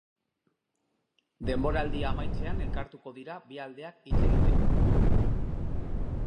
Denboraldia amaitzean elkartuko dira bi aldeak hitz egiteko.